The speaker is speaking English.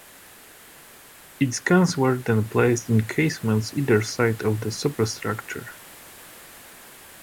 Its guns were then placed in casements either side of the superstructure.